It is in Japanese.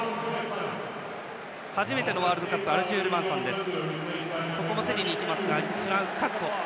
初めてのワールドカップアルチュール・バンサンです。